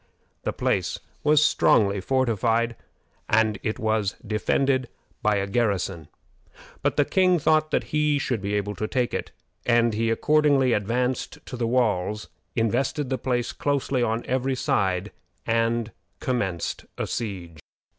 The place was strongly fortified, and it was defended by a garrison; but the king thought that he should be able to take it, and he accordingly advanced to the walls, invested the place closely on every side, and commenced the siege.